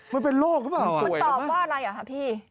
มันเป็นโรคหรือเปล่ามันต่อยแล้วนะมันตอบว่าอะไรหรือครับพี่